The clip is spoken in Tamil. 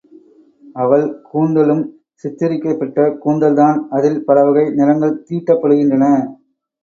அவள் கூந்தலும் சித்திரிக்கப்பட்ட கூந்தல்தான் அதில் பலவகை நிறங்கள் தீட்டப்படுகின்றன.